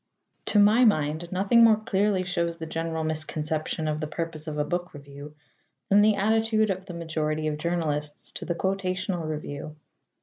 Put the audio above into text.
To my mind, nothing more clearly shows the general misconception of the purpose of a book review than the attitude of the majority of journalists to the quotational review.